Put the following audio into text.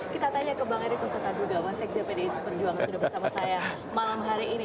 kita tanya ke bang ericko soekarno gawasek jpni perjuangan sudah bersama saya malam hari ini